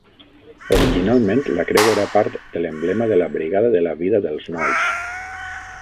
Originalment, la creu era part de l'emblema de la Brigada de la Vida dels Nois